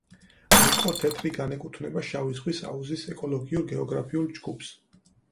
რკო თეთრი განეკუთნება შავი ზღვის აუზის ეკოლოგიურ–გეოგრაფიულ ჯგუფს.